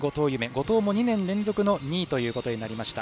後藤も２年連続の２位となりました。